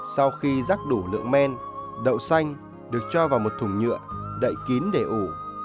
sau khi rác đủ lượng men đậu xanh được cho vào một thùng nhựa đậy kín để ủ